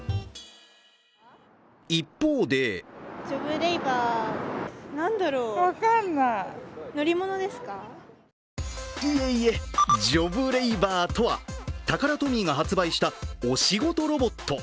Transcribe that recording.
一方でいえいえ、ジョブレイバーとは、タカラトミーが発売したお仕事ロボット。